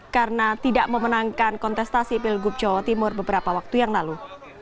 karena tidak memenangkan kontestasi pilgub jawa timur beberapa waktu yang lalu